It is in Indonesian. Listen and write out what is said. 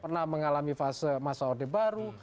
pernah mengalami fase masa orde baru